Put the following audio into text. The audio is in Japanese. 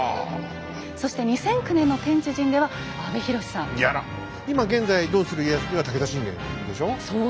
そして２００９年の「天地人」では今現在「どうする家康」では武田信玄でしょう？